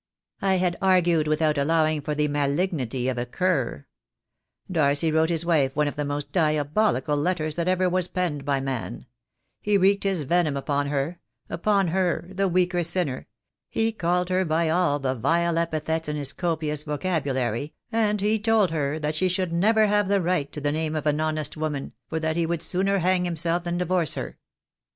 I had argued without allowing for the malignity of a cur. Darcy wrote his wife one of the most diabolical letters that ever was penned by man; he wreaked his venom upon her — upon her, the weaker sinner; he called her by all the vile epithets in his copious vocabulary, and he told her that she should never have the right to the name of an honest woman, for that he would sooner hang himself than divorce her.